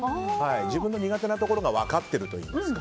自分の苦手なところが分かっていると。